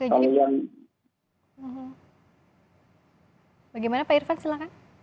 bagaimana pak irfan silahkan